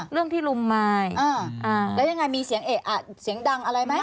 เรื่องที่ลุมมายแล้วยังไงมีเสียงเอ๊ะอ่ะเสียงดังอะไรไหม